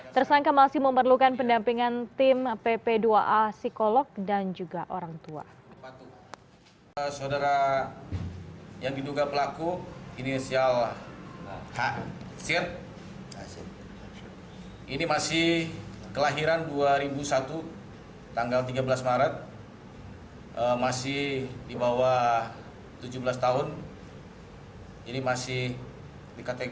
tersangka masih memerlukan pendampingan tim pp dua a psikolog dan juga orang tua